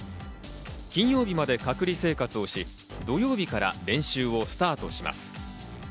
金曜日まで隔離生活をし、土曜日から練習をスタートします。